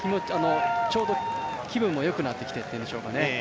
ちょうど気分もよくなってきてというのでしょうかね。